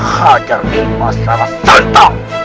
hadir di masalah serta